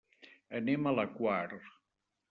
Anem a la Quar.